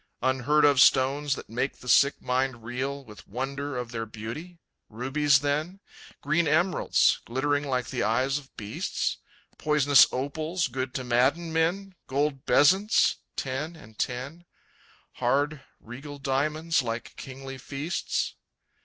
Unheard of stones that make the sick mind reel With wonder of their beauty? Rubies, then? Green emeralds, glittering like the eyes of beasts? Poisonous opals, good to madden men? Gold bezants, ten and ten? Hard, regal diamonds, like kingly feasts?